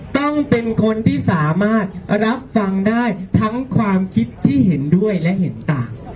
ต้องเป็นคนที่สามารถรับฟังได้ทั้งความคิดที่เห็นด้วยและเห็นต่าง